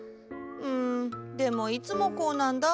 うんでもいつもこうなんだ。